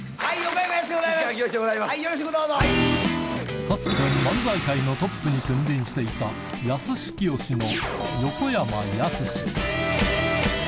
かつて、漫才界のトップに君臨していたやすしきよしの横山やすし。